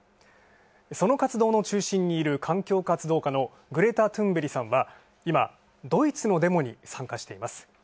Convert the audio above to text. その活動の中心にいる環境活動家のグレタ・トゥンベリさんは、今、ドイツのデモに参加しています。